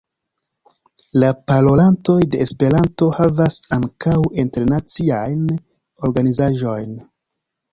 La parolantoj de Esperanto havas ankaŭ internaciajn organizaĵojn.